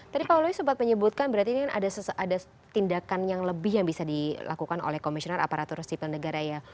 tadi pak oloi sempat menyebutkan berarti ini kan ada tindakan yang lebih yang bisa dilakukan oleh komisioner aparatur sipil negara ya